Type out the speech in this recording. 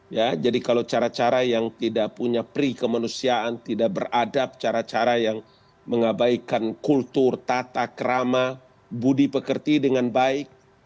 ya jadi kalau cara cara yang tidak punya pri kemanusiaan tidak beradab cara cara yang mengabaikan kultur tata kerama budi pekerti dengan baik